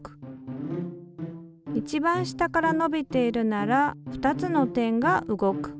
一番下から伸びているなら２つの点が動く。